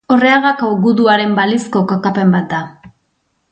Orreagako guduaren balizko kokapen bat da.